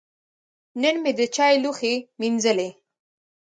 نن مې د چای لوښی مینځلي.